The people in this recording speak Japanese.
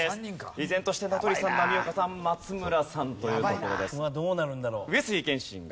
依然として名取さん波岡さん松村さんというところです。